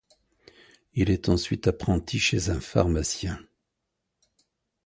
Il est ensuite apprenti chez un pharmacien.